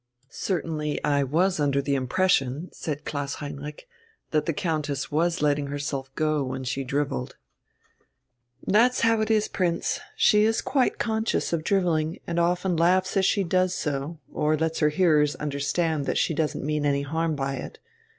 "Certainly I was under the impression," said Klaus Heinrich, "that the Countess was letting herself go when she drivelled." "That's how it is, Prince. She is quite conscious of drivelling, and often laughs as she does so, or lets her hearers understand that she doesn't mean any harm by it.